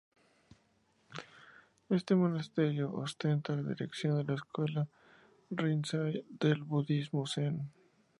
Este monasterio ostenta la dirección de la escuela Rinzai del budismo Zen.